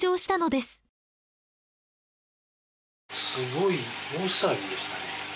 すごい大騒ぎでしたね。